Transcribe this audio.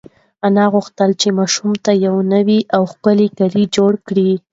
انا غوښتل چې ماشوم ته یو نوی او ښکلی کالي جوړ کړي.